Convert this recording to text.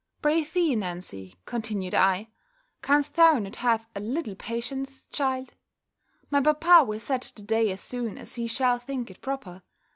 "Pr'ythee, Nancy," continued I, "canst thou not have a little patience, child My papa will set the day as soon as he shall think it proper.